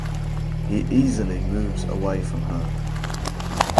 He easily moves away from her.